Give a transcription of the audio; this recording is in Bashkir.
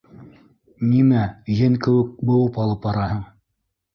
- Нимә... ен кеүек быуып алып бараһың?